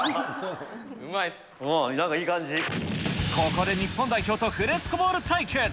ここで日本代表と、フレスコボール対決。